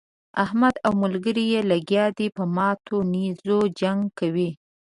احمد او ملګري يې لګيا دي په ماتو نېزو جنګ کوي.